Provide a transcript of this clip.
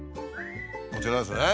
こちらですね。